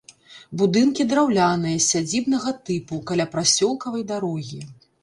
Будынкі драўляныя, сядзібнага тыпу, каля прасёлкавай дарогі.